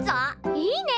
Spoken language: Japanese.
いいね！